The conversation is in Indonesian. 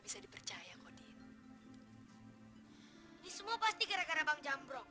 bisa dipercaya kodim ini semua pasti gara gara bang jambrok